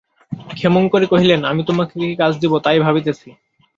ক্ষেমংকরী কহিলেন, আমি তোমাকে কী কাজ দিব, তাই ভাবিতেছি।